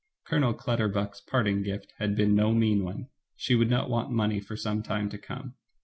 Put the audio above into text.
Colonel Clutterbuck's parting gift had been no mean one. She would not want money for some time to come.